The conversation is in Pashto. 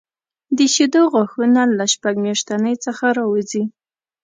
د شېدو غاښونه له شپږ میاشتنۍ څخه راوځي.